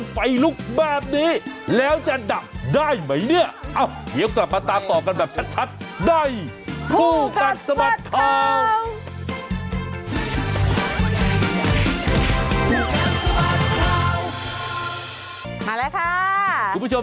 สวัสดีครับสวัสดีครับสวัสดีครับสวัสดีครับสวัสดีครับสว